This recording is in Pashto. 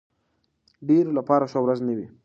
ډېرو لپاره ښه ورځ نه وي.